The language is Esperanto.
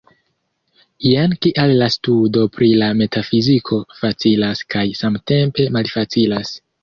Jen kial la studo pri la metafiziko facilas kaj samtempe malfacilas.